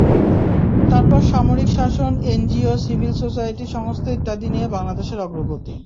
তারপর সামরিক শাসন, এনজিও, সিভিল সোসাইটি, সংস্থা ইত্যাদি নিয়ে বাংলাদেশের অগ্রগতি।